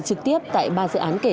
giờ thì ngày mai ông hứa